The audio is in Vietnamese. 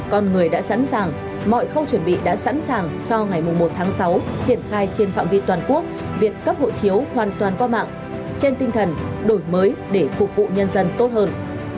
con người đã sẵn sàng mọi khâu chuẩn bị đã sẵn sàng cho ngày một tháng sáu triển khai trên phạm vi toàn quốc việc cấp hộ chiếu hoàn toàn qua mạng trên tinh thần đổi mới để phục vụ nhân dân tốt hơn